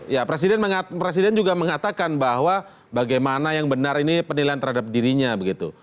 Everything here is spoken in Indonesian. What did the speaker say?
ya presiden juga mengatakan bahwa bagaimana yang benar ini penilaian terhadap dirinya begitu